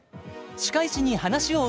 歯科医師に話を伺うと